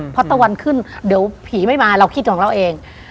เพราะตะวันขึ้นเดี๋ยวผีไม่มาเราคิดของเราเอง